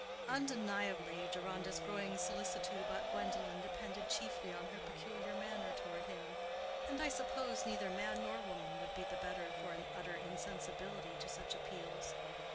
Undeniably Deronda's growing solicitude about Gwendolen depended chiefly on her peculiar manner toward him; and I suppose neither man nor woman would be the better for an utter insensibility to such appeals.